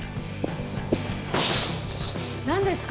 ・・何ですか？